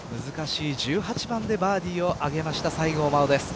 １８番でバーディーを挙げました、西郷真央です。